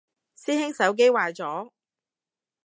師兄手機壞咗？